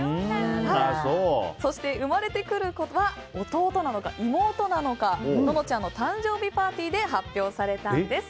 そして、生まれてくる子は弟なのか妹なのかののちゃんの誕生日パーティーで発表されたんです。